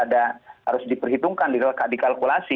ini harus diperhitungkan dikalkulasi